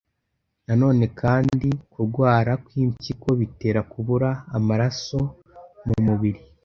Nanone kandi kurwara kw’impyiko bitera kubura amaraso mu mubiri